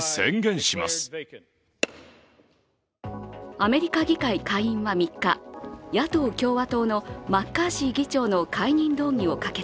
アメリカ議会下院は３日野党・共和党のマッカーシー議長の解任動議を可決。